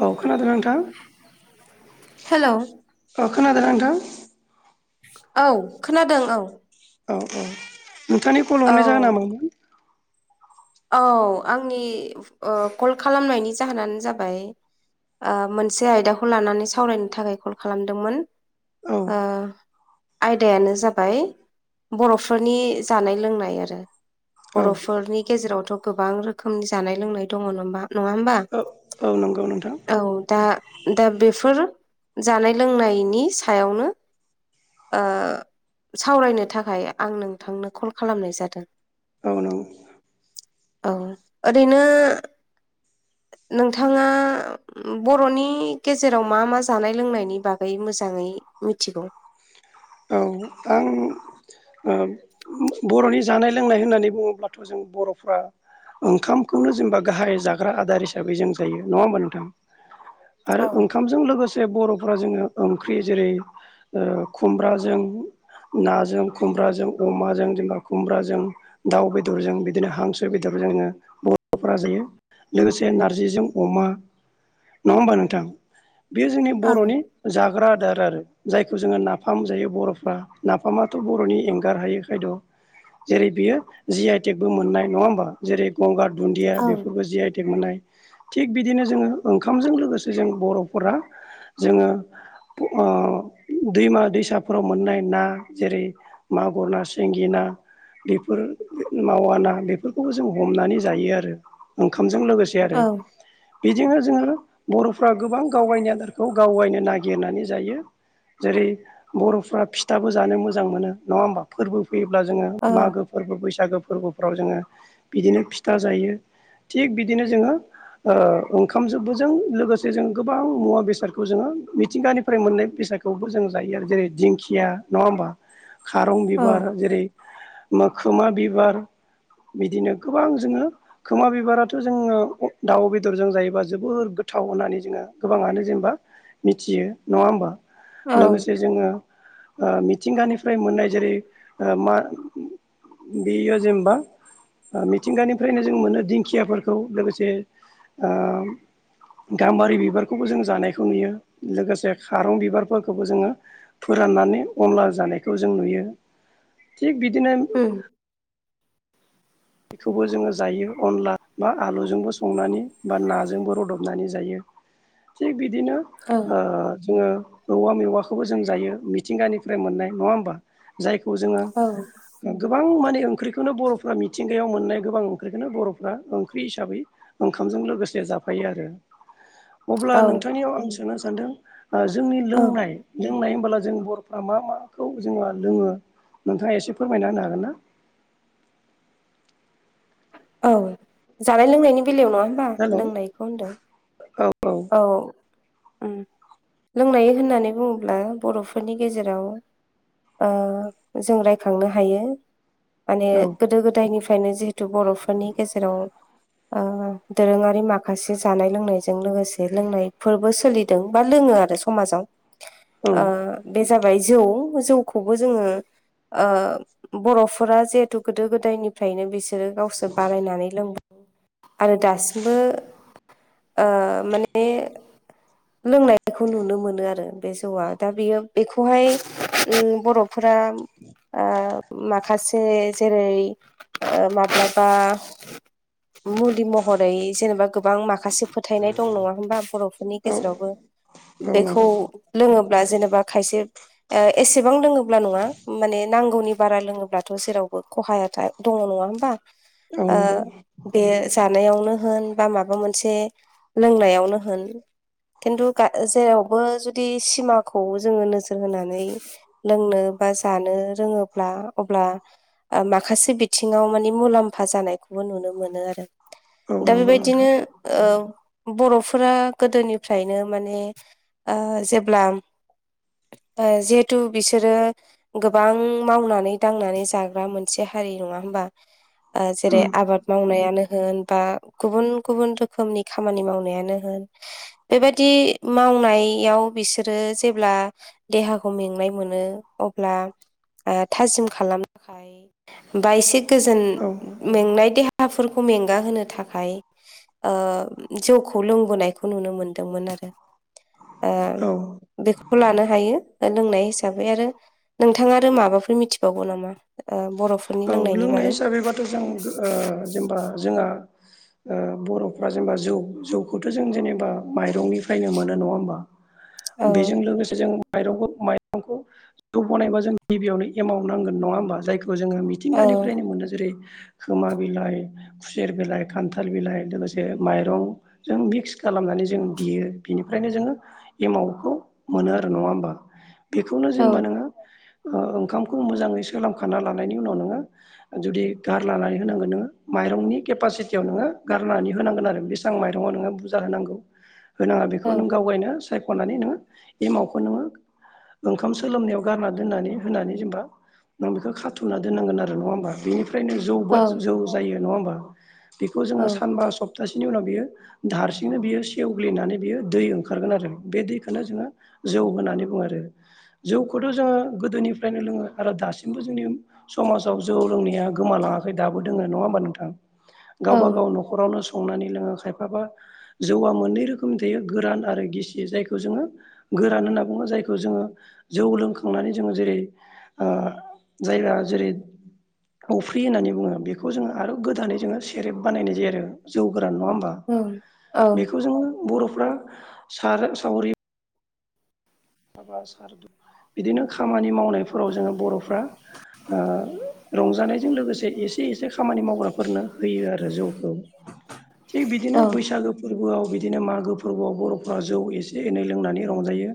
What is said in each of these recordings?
औ खोनादों नोंथां हेलौ औ खोनादोंना नोंथां? औ खोनादों औ औ औ नोंथांनि कल औ हरनाय जाहोन नामामोन? औ आंनि कल खालामनायनि जाहोनानो जाबाय मोनसे आयदाखौ लानानै सावरायनो थाखाय कल खालामदोंमोन औ ओ आयदायानो जाबाय बर'फोरनि जानाय लोंनाय आरो औ बर'फोरनि गेजेरावथ' गोबां रोखोमनि जानाय लोंनाय दङ नङा होनबा? औ औ नंगौ नोंथां औ दा दा बेफोर जानाय लोंनायनि सायावनो सावरायनो थाखाय आं नोंथांनो कल खालामनाय जादों ओ नोंगौ औ ओरैनो नोंथाङा बर'नि गेजेराव मा मा जानाय लोंनायनि बागै मोजाङै मिथिगौ? औ आं बर'नि जानाय लोंनाय होननानै बुङोब्लाथ' जों बर'फ्रा ओंखामखौनो जेनेबा गाहाय जाग्रा आदार हिसाबै जों जायो नङा होमबा नोंथां? आरो औ ओंखामजों लोगोसे बर'फोरा जोङो ओंख्रि जेरै खु खुमब्राजों नाजों खुमब्राजों अमाजों जेनेबा खुमब्राजों दाउ बेदरजों बिदिनो हांसो बेदर जोङो बर'फोरा जायो लोगोसे नारजिजों अमा नङा होमबा नोंथां बेयो जोंनि औ बर'नि जाग्रा आदार आरो जायखौ जोङो ना नाफाम जायो बर'फ्रा नाफामाथ' बर'नि एंगार हायो खायद' जेरै बियो जि आइ टेकबो मोननाय नङा होमबा जेरै गंगार दुन्दिया औ बेफोरबो जि आइ थेग मोननाय थिग बिदिनो जोङो ओंखामजों लोगोसे जों बर'फोरा जोङो दैमा दैसाफोराव मोननाय ना जेरै मागुर ना सिंगि ना बेफोर माव ना बेफोरखौबो जों हमनानै जायो आरो ओंखाम जो जों लोगोसे आरो औ बिदिनो जोङो बर'फ्रा गोबां गावबायनि आदारखौ गावबायनो नागिरनानै जायो जेरै बर'फोरा फिथाबो जानो मोजां मोनो नङा होमबा फोरबो फैयोब्ला जोङो औ मागो फोरबो बैसागो फोरबोफ्राव जोङो बिदिनो फिथा जायो थिग बिदिनो जोङो ओंखाम जबो जों लोगोसे जों गोबां मुवा बेसादखौ जोङो मिथिंगानिफ्राय मोननाय बेसाद मसखौबो जों जायो आरो जेरै दिंखिया नङा होमबा खारं औ बिबार जेरै मोखोमा बिबार बिदिनो गोबां जोङो खोमा बिबाराथ' जोङो दाउ बेदरजों जायोबा जोबोर गोथाव होननानै जोङो गोबाङानो जेनेबा मिथियो। नङा होमबा? औ। ओ ओ मिथिंगानिफ्राय मोननाय जेरै ओ मा बियो जेनबा ओ मिथिंगानिफ्रायनो जों मोनो दिंखियाफोरखौ लोगोसे ओम गाम्बारि बिबारखौबो जों जानायखौ नुयो लोगोसे खारं बिबारफोरखौबो जोङो फोराननानै अनला जानायखो जों नुयो। थिग बिदिनो उम बेखौबो जोङो जायो। अनला बा आलुजोंबो संनानै बा नाजोंबो रदबनानै जायो। थिग बिदिनो औ ओ जोङो औवा मेवाखोबो जों जायो मिथिंगानिफ्राय मोननाय नङा होमबा। जाय खौ जोङो औ गोबां माने ओंख्रिखोनो बर'फोरा मि गायाव मोननाय गोबां ओंख्रिखोनो बर'फ्रा ओंख्रि हिसाबै ओंखामजों लोगोसे जाफायो आरो। अब्ला औ नोंथांनियाव आं सोंनो सानदों ओ जोंनि औ लोंनाय लोंनाय होमबोला जों बर'फ्रा मा माखौ जोंहा लोङो नोंथाङा एसे फोरमायना होनो हागोन ना? [inaudible] औ जानाय लोंनायनि बेलायाव नङा। हबा हेलौ लोंनायखौ होनदों। औ। ओम लोंनाय होननानै बुंङोब्ला बर'फोरनि गेजेराव ओ जों रायखांनो हायो माने औ गोदो गोदायनिफ्रा यनो जिहेथु बर'फोरनि गेजेराव ओ दोरोङारि माखासे जानाय लोंनायजों लोगोसे लोंनाय फोरबो सोलिदों बा लोङो आरो समाजाव ओ बे जाब य जौ जौखौबो जोङो ओ बर'फोरा जिहेथु गोदो गोदायनिफ्रायनो बिसो रो गावसोर बानायनानै लोंबाय आरो दासिमबो ओ माने ने। लोंनायखौ नुनो मोनो आरो बे जौआ दा बेयो बेखौहाय ओम बर'फो रा ओ माखासे जेरै ओ माब्लाबा मुलि महरै जेनेबा गोबां माखासे फोथायनाय दं नङा बा बरफोरनि औ औ गेजेरावबो औ बेखौ नंगौ लों ब्ला जेनेबा खायसे ओ एसेबां लोंओब्ला नङा माने नांगौनि बारा लोंओब्लाथ' जे रावबो खहाया था दङ नङा होमबा। औ ओ नंगौ बे जानायावनो होन बा माबा मोनसे लोंनायाव नो होन खिन्थु गा जेरावबो जुदि सिमाखौ जोङो नोजोर होनानै लोंनो बा जानो रोंओब्ला अब्ला ओ माखासे बिथिङाव माने मुलामफा जानायखौ नुनो मोनो आरो‌ औ दा नंगौ नोंथां बेबायदिनो ओ बरफो रा गोदोनिफ्रायनो माने ओ जेब्ला ओ जिहेथु बिसोरो गोबां मावनानै दांनानै जाग्रा मोनसे हारि नङा होन बा‌। ओ जेरै उम आबाद मावनायानो होन बा गुबुन गुबुन रोखोमनि खामानि मावनायानो होन। बेबायदि मावनायाव बिसोरो जेब्ला देहाखौ मेंनाय मोनो अब्ला ओ थाजिम खालामनोहाय बा एसे गोजोन औ मेंनाय देहाफोर मेंगा होनो थाखाय ओ जौखौ लों बोनायखौ नुनो मोनदोंमोन आरो। औ खौ लानो हायो लोंनाय हिसाबै आरो नोंथाङा आरो माबाफोर मिथिबावगौ नामा ओ बर'फोरनि औ लोंनायनि लोंनाय बागै हिसाबैबाथ' जों गो ओ जेनबा जोंहा ओ बर'फ्रा जेनेबा जौ जौखौथ' जों जेनेबा माइरंनिफ्रायनो मोनो। नङा होमबा? औ बेजों लोगोसे जों माइरंखौ माइरंखौ जौ बनायबा जों गिबियावनो एमाउ नांगोन नङा होमबा? जायखौ जोङो औ मिथिंगानिफ्रायनो मोनो जेरै खोमा बिलाइ, खुसेर बिलाइ, खान्थाल बिलाइ, लोगोसे माइरं जों मिक्स खा खालामनानै जों देयो बिनिफ्रायनो जोङो एमावखौ मोनो आरो नङा होमबा? बेखौनो औ जेनेबा नोङो ओ ओंखामखौ मोजाङै सोलामखाना लानायनि उनाव नों जुदि गारलानानै होनांगोन नोङो माइरंनि केपासिटियाव नोङो गारनानै होनांगोन आरो। बेसां माइरङाव नोङो बुरजा होनांगौ होनाङा बेखौ औ नों गाव गायनो सायख'नानै नोङो एमावखौ नोङो ओंखाम सोलोमनायाव गारना दोननानै होनानै जेनेबा नों बेखौ खाथुमना दोननांगोन आरो। नङा होमबा? बेनिफ्रायनो जौ औ बा जौ जायो नङा होमबा? बेखौ औ जोङो सानबा सप तासेनि उनाव बियो हारसिंनो बियो सेवग्लिनानै बियो दै ओंखारगोन आरो बे दैखोनो जोङो जौ होननानै बुङो आरो। जौखौथ' जोङो गोदोनिफ्रायनो लोङो आरो दासिमबो जोंनि समाज औ जौ लोंनाया गोमालाङाखै दाबो दोङो। नङा होमबा नोंथां? औ गावबा गाव न'खरावनो संनानै लोङो खायफाबा जौआ मोननै रोखोमनि थायो गोरान आरो गिसि जायखौ जोङो गोरान होनना बुङो जायखौ जोङो जौ लोंखांनानै जोङो जेरै ओ जायगा जेरै अफ्रि होननानै बुङो बेखौ जोङो आरो गोदानै जोङो सेरेब बानायनाय जायो आरो जौ गोरान नङा होमबा? औ औ बेखौ जोङो बर'फ्रा सार सावरि माबा सारद' बिदिनो खामानि मावनाय फोराव जोङो बर'फ्रा ओ रंजानायजों लोगोसे एसे एसे खामानि मावग्राफोरनो होयो आरो जौ। ओ थिग बिदिनो बैसागो फोरबोआव बि बिदिनो मागो फोरबोआव बर'फोरा जौ एसे एनै लोंनानै रंजायो।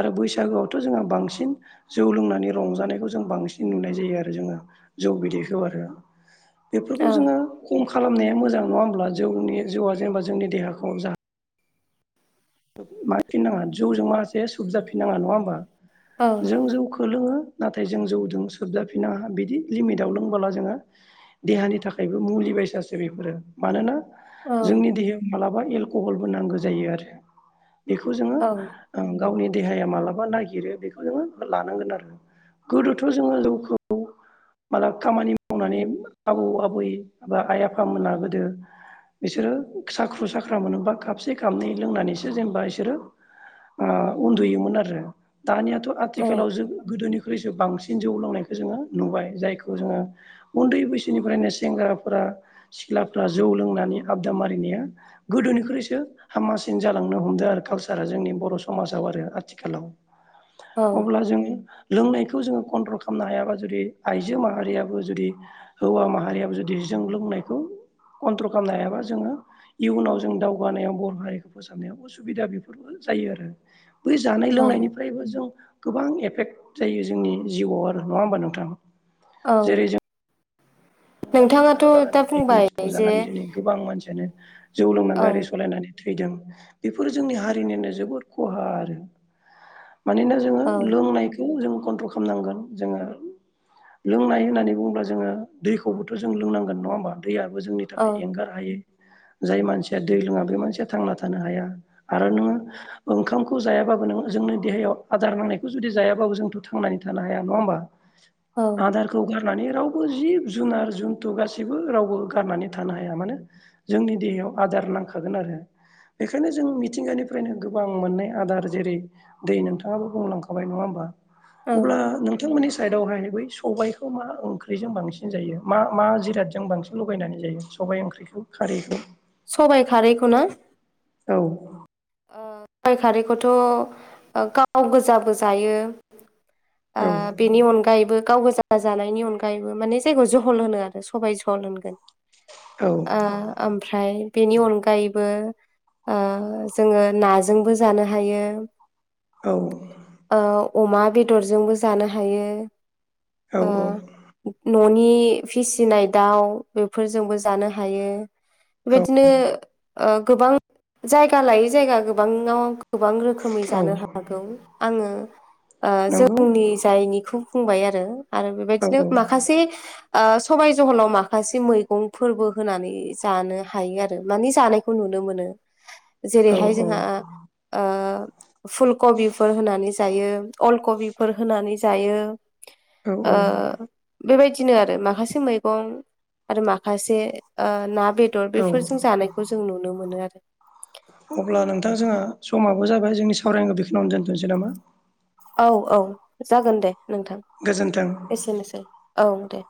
आरो बैसागोआवथ' जोंहा बांसिन जौ लोंनानै रंजानायखौ जों बांसिन नुनाय जायो आरो जों। जौ बिदैखौ आरो। औ बेफोरखौ जोङो खम खालामनाया मोजां नङा होमब्ला जौनि जौआ जेनेबा जोंनि देहाखौ जा मा फिन नाङा जौजों मास बेे सुख जाफिन नाङा नङा होमबा? जों जौखौ लोङो। नाथाय जों जौजों सोबजाफिननाङा बिदि लिमिटाव लोंबोला जोङो देहानि थाखायबो मुलि निसासो बेफोरो मानोना जोंनि देहायाव मालाबा एलक'हलबो नांगो जायो आरो। बेखौ जोङो औ गावनि देहाया मालाबा नागिरो बेखौ जोङो लानांगोन आरो गोदोथ' जोङो जौखौ मालाब खामानि मावनानै आबौ आबै बा आइ आफामोना गोदो बिसोरो साख्रु साख्रा मोनोबा खाबसे खाबनै लोंनानैसो जेनबा इसोरो ओ उन्दुयोमोन आरो। दानियाथ' आथिखालाव जोबो गोदोनिख्रुइसो बांसिन जौ लोंनायखौ जोङो नुबाय जायखौ जोङो उन्दै बैसोनिफ्रायनो सेंग्राफोरा सिख्लाफोरा जौ लोंनानै आबदा मारिनाया गोदोनिख्रुइसो हामासिन जालांनो हमदों आरो कालसारा जोंनि बर' समाजाव आरो आथिखालाव औ अब्ला जोंनि लोंनायखौ जोङो कन्ट्रल खालामनो हायाबा जुदि आइजो माहारियाबो जुदि हौवा माहारियाबो जुदि जों लोंनायखौ कन्ट्रल खालामनो हायाबा जोङो इयुनाव जों दावगानायाव बर' हारि मोसाबानायाव सुबिदा बेफोरबो जायो आरो बै जानाय औ लोंनायनिफ्रायबो जों गोबां एफेक्ट जायो जोंनि जिउआव आरो नङा होमबा नोंथां? औ गोबांं मानसिफोरा नोंथाङाथ' दा लानानै पिकनिक बुंबाय स्पट जे जानानै दिनै गोबां मानसियानो जौ लोंनानै औ गारि सालायनानै थैदों बेफोरो जोंनि हारिनिनो जोबोद खहा आरो मानोना जोङो औ लोंनायखौ जों खन्थ्रल खालामनांगोन जोङो लोंनाय होननानै बुङोबा जोङो दैखौ खौबोथ' जों लोंनांगोन नङा होमबा दैयाबो जोंनि थाखाय औ एंगार हायो [inaudible] जाय मानसिया दै लोङा बे मानसिया थांना थानो हाया आरो नोङो ओंखामखौ जायाबाबो नों जोंनो देहायाव आदार नांनायखौ जुदि जायाबाबो जोंथ' थांनानै थानो हाया नङा होमबा औ आदारखौ गारनानै रावबो जि बस्थु जुनार जुन्थु गासैबो रावबो गारनानै थानो हाया मानोे जोंनि देहायाव आदार नांखागोन आरो बेखायनो जों मिथिंगानिफ्रायनो गोबां मोननाय आदार जेरै दै नोंथाङाबो बुंलांखाबाय नङा होमबा अब्ला औ नोंथांमोननि साइदआवहाय बै सबायाइखौ मा ओंख्रिजों बांसिन सि जायो मा मा जिरादजों बांसिन लगायनानै जायो सबाइ ओंख्रिखौ खारैखौ सबाय खारैखौ ना औ संसार खारैखौथ' गाव गोजाबो जायो ओ औ बेनि अनगायैबो गाव गोजा जानायनि अनगायैबो माने जायगायाव जहल होनो आरो सबाय जहल होनगोन औ ओ ओमफ्राय बेनि अनगायैबो ओ जोङो नाजोंबो जानो हायो औ ओ अमा बेदरजोंबो जानो हायो औ न'नि फिसिनाय दाउ बेफोरजोंबो जानो हायो औ बेबायदिनो गोबां जायगा लायै जायगा गोबाङाव गोबां रोखोमै औ जानो हागौ आङो ओ नंगौ जोंनि जायनिखौ बुंबाय आरो आरो औ बेबायदिनो औ माखासे सबाय जहलाव माखासे मैगंफोरबो होनानै जानो हायो आरो मानि जानायखौ नुनो नुनो मोनो औ जेरैहाय औ जोंहा ओ फुल कबिफोर होनानै जायो अल कबिफोर होनानै जायो औ औ ओ बेबायदि नो आरो माखासे मैगं आरो माखासे ओ ना बेदर औ बेफोरजों जानायखौ जों नुनो मोनो आरो अब्ला नोंथां जोंहा समाबो जाबाय जोंनि सावरायनां बेखौनो दोनथ'नोसै नामा औ - औ जागोन दे नोंथां गोजोन्थों एसेनोसै औ दे